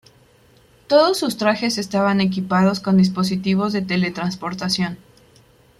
Todos sus trajes estaban equipados con dispositivos de teletransportación.